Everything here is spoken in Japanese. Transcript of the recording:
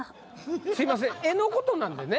すいません絵のことなんでね